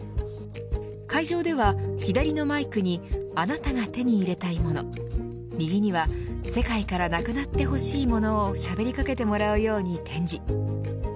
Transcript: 会場では左のマイクにあなたが手に入れたいもの右には世界からなくなってほしいものをしゃべりかけてもらうように展示。